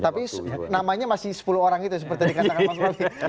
tapi namanya masih sepuluh orang itu seperti dikatakan mas rofi